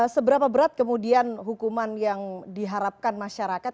seberapa berat kemudian hukuman yang diharapkan masyarakat